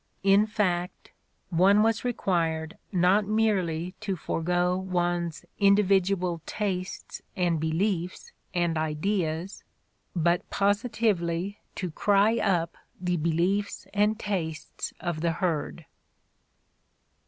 In fact, one was required not merely to forgo one's individual tastes and beliefs and ideas but positively to cry up the beliefs and tastes of the herd.